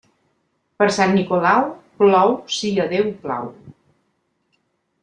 Per Sant Nicolau, plou si a Déu plau.